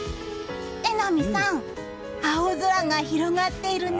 榎並さん、青空が広がっているね。